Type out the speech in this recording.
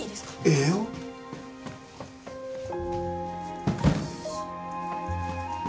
ええよ。よいしょ。